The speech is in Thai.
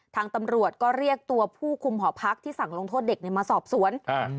ทางตำรวจก็เรียกตัวผู้คุมหอพักที่สั่งลงโทษเด็กเนี่ยมาสอบสวน